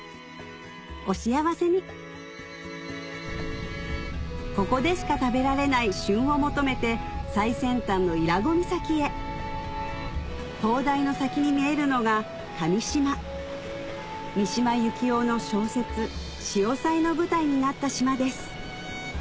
お幸せにここでしか食べられない旬を求めて最先端の伊良湖岬へ灯台の先に見えるのが神島三島由紀夫の小説『潮騒』の舞台になった島です